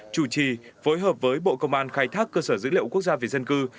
chủ trì phối hợp với bộ công an khai thác cơ sở dữ liệu quốc gia về dân cư